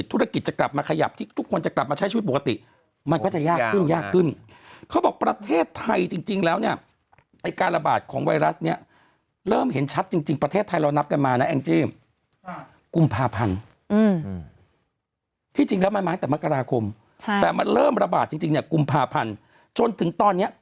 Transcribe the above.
อุมโพมีนาเมษับพรุษภาพและเนี่ย